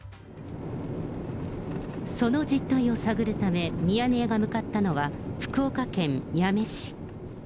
その実態を探るため、ミヤネ屋が向かったのは、福岡県八女市。